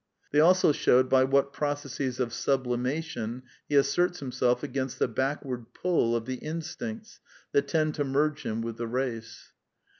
They also showed by what processes of sublimation he asserts himself against the backward pull of the instincts that tend to merge him with the race.